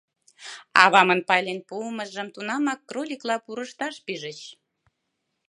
Авамын пайлен пуымыжым тунамак кроликла пурышташ пижыч.